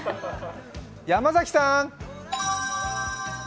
山崎さん！